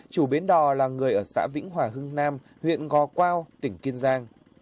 chủ bến đò là người ở xã vĩnh hòa hưng nam huyện gò quao tỉnh kiên giang